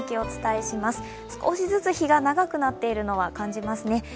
少しずつ日が長くなっているのは感じますね。